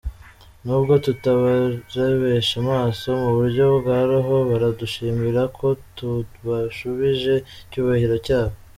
nubwo tutabarebesha amaso mu buryo bwa roho baradushimira ko tubashubije icyubahiro cyabo.